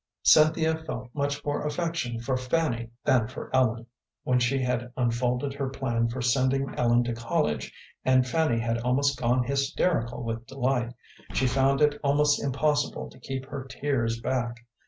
Cynthia felt much more affection for Fanny than for Ellen. When she had unfolded her plan for sending Ellen to college, and Fanny had almost gone hysterical with delight, she found it almost impossible to keep her tears back.